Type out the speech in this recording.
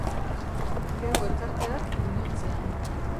Geu elkarteak, iluntzean.